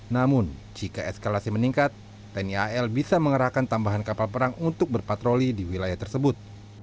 namun jika eskalasi meningkat tni al bisa mengerahkan tambahan kapal perang untuk berpatroli di wilayah tersebut